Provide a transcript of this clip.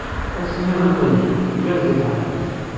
Ass-nni d iṭij, igerrez lḥal.